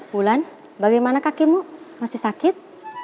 bulan bagaimana kakimu masih sakit